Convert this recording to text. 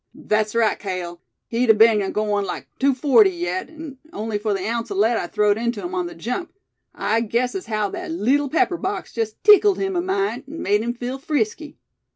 "That's right, Cale, he'd a ben agoin' like two forty yet, on'y for the ounce of lead I throwed into him on the jump. I guess as haow that leetle pepper box jest tickled him a mite, an' made him feel frisky.